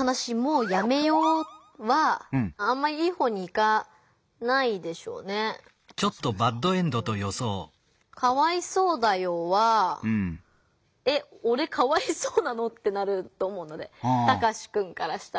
「かわいそうだよー」は「えっおれかわいそうなの？」ってなると思うのでタカシくんからしたら。